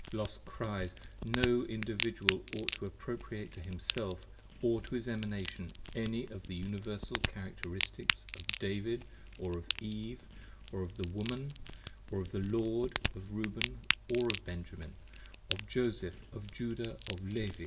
Los cries: No Individual ought to appropriate to Himself Or to his Emanation, any of the Universal Characteristics 30 Of David or of Eve, of the Woman, or of the Lord, Of Reuben or of Benjamin, of Joseph or Judah or Levi.